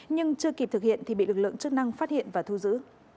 nhưng chưa kịp thực hiện thì bị lực lượng chức năng phát hiện và thu giữ